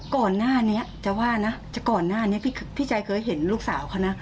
ก่อนหน้านี้จะว่านะก่อนหน้านี้พี่ใจเคยเห็นลูกสาวเขานะ